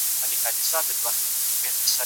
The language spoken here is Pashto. د رندانو له مستۍ به تیارې تښتي